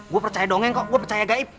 gue percaya dongeng kok gue percaya gaib